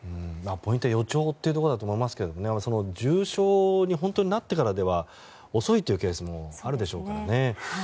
ポイント予兆というところだと思いますが重症になってからでは遅いケースもあるでしょうからね。